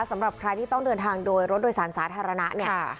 สำหรับใครที่ต้องเดินทางโดยรถโดยสารสาธารณะเนี่ย